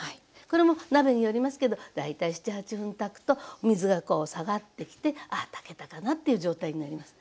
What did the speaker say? これも鍋によりますけど大体７８分炊くと水がこう下がってきてああ炊けたかなっていう状態になります。